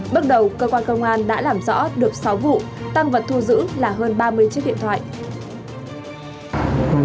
bước đầu cơ quan công an đã làm rõ được sáu vụ tăng vật thu giữ là hơn ba mươi chiếc điện thoại